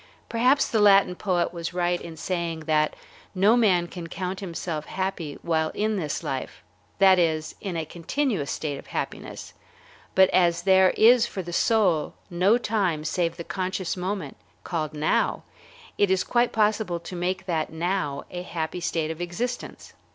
Perhaps the Latin poet was right in saying that no man can count himself happy while in this life, that is, in a continuous state of happiness; but as there is for the soul no time save the conscious moment called "now," it is quite possible to make that "now" a happy state of existence.